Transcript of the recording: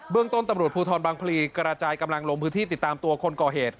ต้นตำรวจภูทรบางพลีกระจายกำลังลงพื้นที่ติดตามตัวคนก่อเหตุ